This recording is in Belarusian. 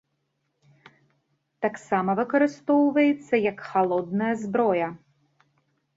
Таксама выкарыстоўваецца як халодная зброя.